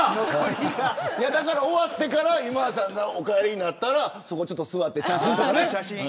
終わってから今田さんがお帰りになったらそこちょっと座って写真をね。